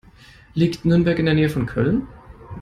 Liegt Nürnberg in der Nähe von Köln?